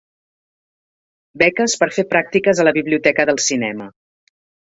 Beques per fer pràctiques a la Biblioteca del Cinema.